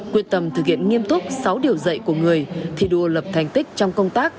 quyết tâm thực hiện nghiêm túc sáu điều dạy của người thi đua lập thành tích trong công tác